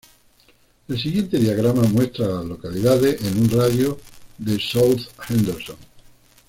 El siguiente diagrama muestra a las localidades en un radio de de South Henderson.